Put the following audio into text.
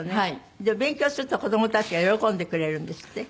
で勉強すると子供たちが喜んでくれるんですって？